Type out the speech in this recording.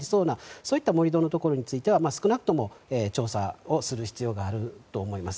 そういった盛り土のところについては少なくとも調査をする必要があると思います。